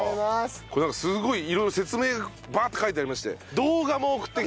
これすごい色々説明がバーッて書いてありまして。